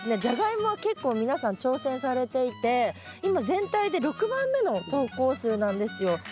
ジャガイモは結構皆さん挑戦されていて今全体で６番目の投稿数なんですよ。